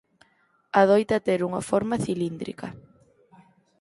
Adoita ter unha forma cilíndrica.